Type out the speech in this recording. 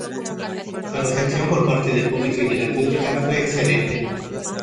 La recepción por parte del público y de la crítica fue excelente.